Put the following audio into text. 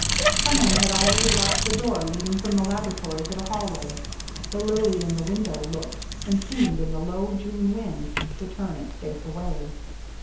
Some one had already locked the door leading from the laboratory to the hallway. The lily in the window looked, and seemed, in the low June wind, to turn its face away.